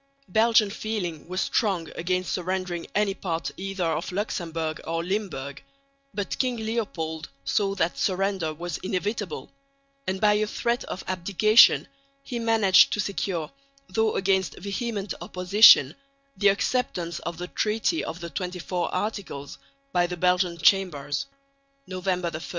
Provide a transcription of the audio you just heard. Belgian feeling was strong against surrendering any part either of Luxemburg or Limburg; but King Leopold saw that surrender was inevitable and by a threat of abdication he managed to secure, though against vehement opposition, the acceptance of the Treaty of the XXIV Articles by the Belgian Chambers (November 1).